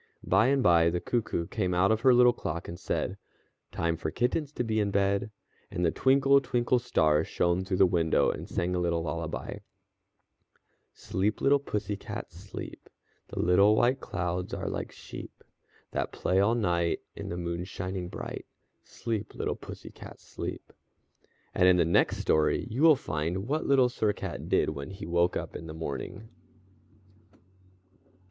By and by the cuckoo came out of her little clock and said: "Time for kittens to be in bed," and the twinkle, twinkle star shone through the window, and sang a little lullaby: "_Sleep, little pussy cat, sleep. The little white clouds are like sheep That play all the night while the moon's shining bright. Sleep, little pussy cat, sleep._" And in the next story you will find what Little Sir Cat did when he woke up in the morning.